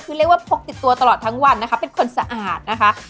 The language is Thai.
คือเรียกว่าพกติดตัวตลอดทั้งวันนะคะเป็นคนสะอาดนะคะ